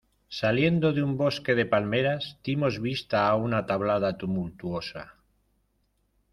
saliendo de un bosque de palmeras, dimos vista a una tablada tumultuosa